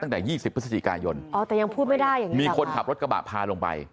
ตั้งแต่๒๐พกยมีคนขับรถกระบาดพาลงไป